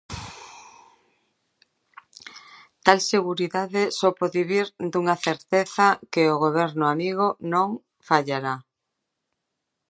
Tal seguridade só pode vir dunha certeza: que o goberno amigo non fallará.